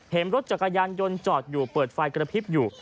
เห็นรถจักรยานยนต์จอดอยู่เปิดไฟกระพริบอยู่